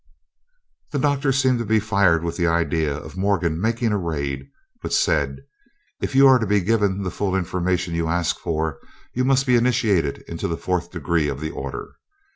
The Doctor seemed to be fired with the idea of Morgan making a raid, but said: "If you are to be given the full information you ask for, you must be initiated into the fourth degree of the order.